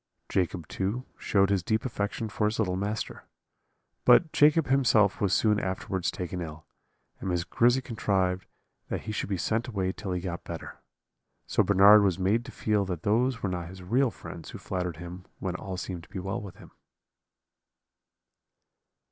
Jacob too showed his deep affection for his little master. But Jacob himself was soon afterwards taken ill, and Miss Grizzy contrived that he should be sent away till he got better. So Bernard was made to feel that those were not his real friends who flattered him when all seemed to be well with him.